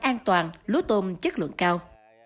an toàn lúa tôm chất lượng cao